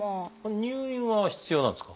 入院は必要なんですか？